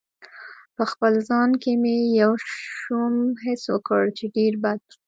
په خپل ځان کې مې یو شوم حس وکړ چې ډېر بد و.